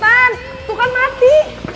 tuh kan mati